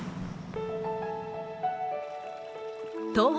東北